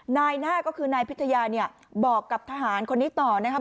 นายหน้าก็คือนายพิทยาเนี่ยบอกกับทหารคนนี้ต่อนะครับ